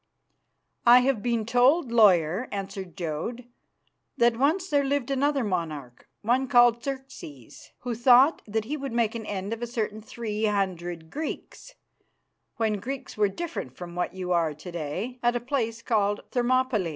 "I have been told, lawyer," answered Jodd, "that once there lived another monarch, one called Xerxes, who thought that he would make an end of a certain three hundred Greeks, when Greeks were different from what you are to day, at a place called Thermopylæ.